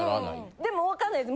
でも分かんないです。